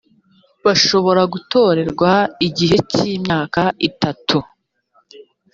bashobora gutorerwa igihe cy’imyaka itatu